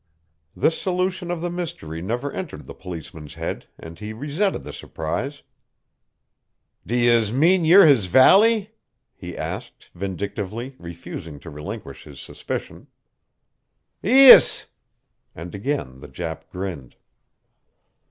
This solution of the mystery never entered the policeman's head and he resented the surprise. "Do yez mean yez're his valley?" he asked vindictively, refusing to relinquish his suspicion. "Ees!" and again the Jap grinned.